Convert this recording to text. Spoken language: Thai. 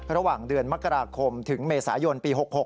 ระหว่างเดือนมกราคมถึงเมษายนปี๖๖